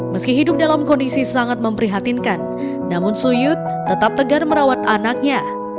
meski hidup dalam kondisi sangat memprihatinkan namun suyut tetap tegar merawat anaknya